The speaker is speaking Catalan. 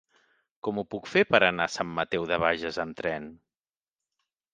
Com ho puc fer per anar a Sant Mateu de Bages amb tren?